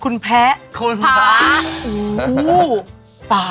น้อง